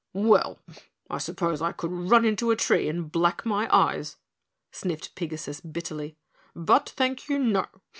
"Well, I suppose I could run into a tree and black my eyes," sniffed Pigasus bitterly. "But thank you, no.